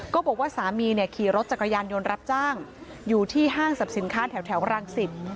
ก็บอกว่าสามีเนี่ยขี่รถจักรยานยนต์รับจ้างอยู่ที่ห้างสรรพสินค้าแถวรังสิต